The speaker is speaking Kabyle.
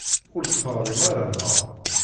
Ur d-teɣrim ara, naɣ?